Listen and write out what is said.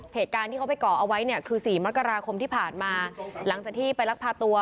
เหตุการณ์ที่เขาไปก่อเอาไว้เนี่ยคือสี่มกราคมที่ผ่านมาหลังจากที่ไปลักพาตัว